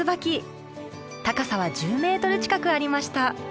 高さは１０メートル近くありました。